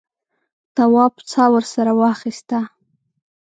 تواب سا ورسره واخیسته.